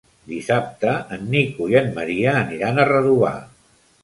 Dissabte en Nico i en Maria aniran a Redovà.